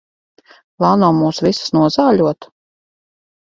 Plāno mūs visus nozāļot?